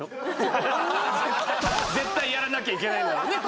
絶対やらなきゃいけないんだもんね